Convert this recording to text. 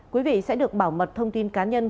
quý vị sẽ được bảo mật thông tin cá nhân